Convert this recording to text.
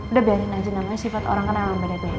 udah biarin aja namanya sifat orang kan emang beda beda